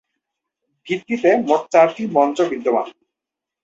ভিত্তিতে মোট চারটি মঞ্চ বিদ্যমান।